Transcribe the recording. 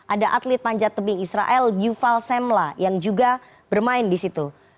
ada atlet panjat tebing israel yuval semla yang juga bermain di situ